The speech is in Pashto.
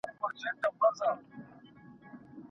ایا بهرني سوداګر بادام صادروي؟